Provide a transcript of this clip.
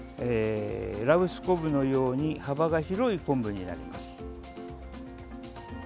羅臼昆布のように幅が広い昆布になります。